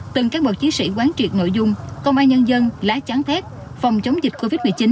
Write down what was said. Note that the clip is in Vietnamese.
từng các bậc chí sĩ quán truyệt nội dung công an nhân dân lá chán thét phòng chống dịch covid một mươi chín